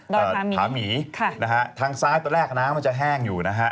แต่ผาหมีนะฮะทางซ้ายตอนแรกน้ำมันจะแห้งอยู่นะฮะ